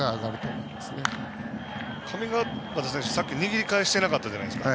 さっき上川畑選手握り返してなかったじゃないですか。